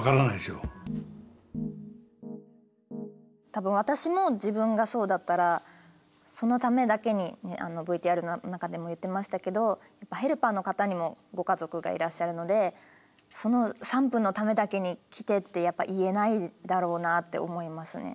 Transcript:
多分私も自分がそうだったらそのためだけにＶＴＲの中でも言ってましたけどヘルパーの方にもご家族がいらっしゃるのでその３分のためだけに来てってやっぱ言えないだろうなって思いますね。